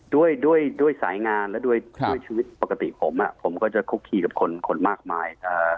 ด้วยด้วยสายงานและด้วยชีวิตปกติผมผมก็จะคุกคีกับคนมากมาย